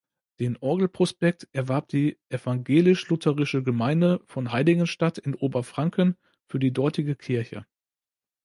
Den Orgelprospekt erwarb die evangelisch-lutherische Gemeinde von Heiligenstadt in Oberfranken für die dortige Kirche.